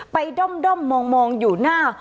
ด้อมมองอยู่หน้า